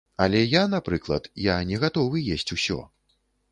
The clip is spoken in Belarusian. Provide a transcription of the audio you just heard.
Але я, напрыклад, я не гатовы есць усё.